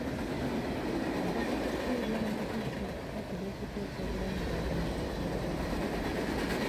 Abakukusa eby'amaguzi batera okuteeka obulamu bwabwe mu katyabaga.